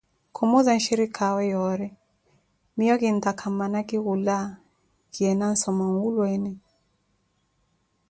Khumuuza nshirikaawe yoori miiyo kintaaka mmana khiwula kiye nansoma nwulweene.